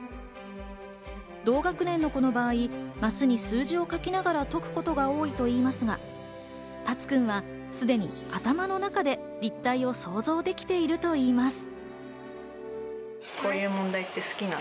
同学年の子の場合、マスに数字を書きながら解くことが多いといいますが、タツくんはすでに頭の中で立体を想像できているといいます。